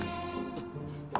あっ。